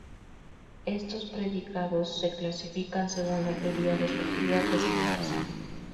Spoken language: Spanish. Estos predicados se clasifican según la teoría respectiva que se les asigne.